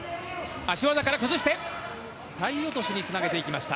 足技から崩して体落としにつなげていきました。